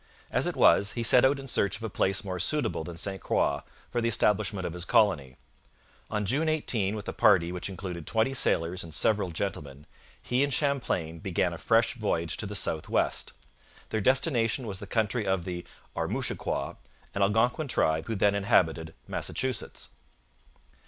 As it was, he set out in search of a place more suitable than St Croix for the establishment of his colony, On June 18, with a party which included twenty sailors and several gentlemen, he and Champlain began a fresh voyage to the south west. Their destination was the country of the Armouchiquois, an Algonquin tribe who then inhabited Massachusetts.